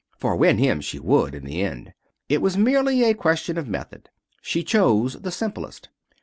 For win him she would, in the end. It was merely a question of method. She chose the simplest.